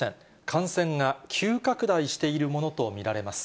感染が急拡大しているものと見られます。